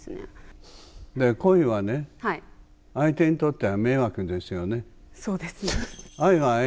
恋は相手にとっては迷惑ですよね。